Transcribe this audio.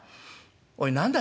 「おい何だ？